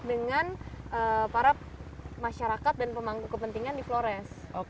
dengan para masyarakat dan pemangku kepentingan di flores